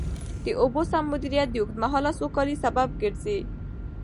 د اوبو سم مدیریت د اوږدمهاله سوکالۍ سبب ګرځي.